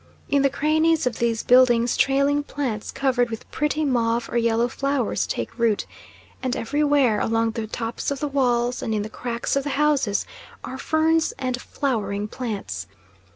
In the crannies of these buildings trailing plants covered with pretty mauve or yellow flowers take root, and everywhere, along the tops of the walls, and in the cracks of the houses, are ferns and flowering plants.